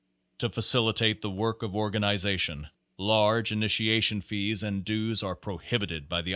To facilitate the work of organization, large initia tion fees and dues are prohibited by the I.